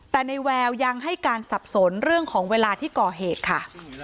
แต่ในแววยังให้การสับสนเรื่องของเวลาที่ก่อเหตุค่ะ